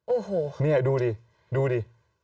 โอ้โหนี่ดูดิ